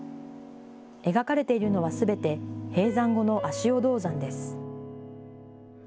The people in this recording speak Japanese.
描かれているのはすべて閉山後の足尾銅山です。